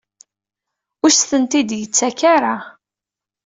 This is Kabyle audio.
Ur as-tent-id-yettak ara?